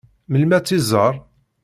Melmi ad tt-iẓeṛ?